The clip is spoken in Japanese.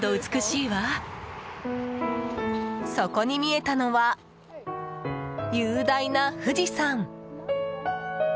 そこに見えたのは雄大な富士山！